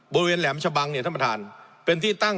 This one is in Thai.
บริเวณแหลมชะบังเนี่ยท่านประธาน